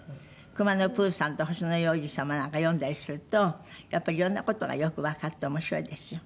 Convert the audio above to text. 『クマのプーさん』と『星の王子さま』なんか読んだりするとやっぱりいろんな事がよくわかって面白いですよ。